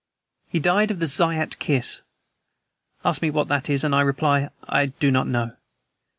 "He died of the Zayat Kiss. Ask me what that is and I reply 'I do not know.'